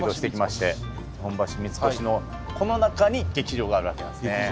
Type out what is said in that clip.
日本橋三越のこの中に劇場があるわけなんですね。